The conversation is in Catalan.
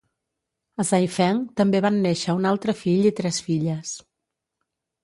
A Zaifeng també van néixer un altre fill i tres filles.